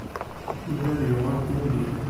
Yuba ad yuɣal d ummil.